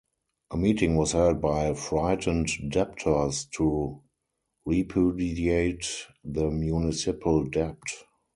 A meeting was held by frightened debtors to repudiate the municipal debt.